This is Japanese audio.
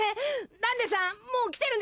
ダンデさん